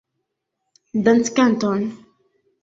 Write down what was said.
Danckanton!